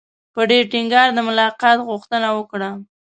په ډېر ټینګار د ملاقات غوښتنه وکړه.